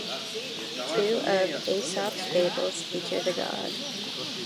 Two of Aesop's fables feature the god.